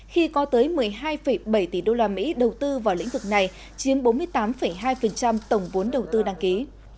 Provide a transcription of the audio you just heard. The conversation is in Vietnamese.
khi có tới một mươi hai bảy tỷ usd đầu tư vào lĩnh vực này chiếm bốn mươi tám hai tổng vốn đầu tư đăng ký